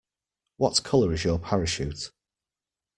What colour is your parachute?